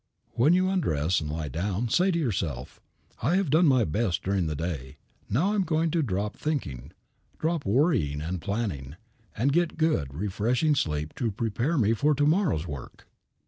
When you undress and lie down, say to yourself, "I have done my best during the day. Now I am going to drop thinking, drop worrying and planning, and get good, refreshing sleep to prepare me for to morrow's work."